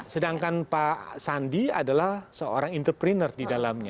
sedangkan pak sandi adalah seorang entrepreneur di dalamnya